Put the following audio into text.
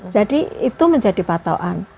jadi itu menjadi patauan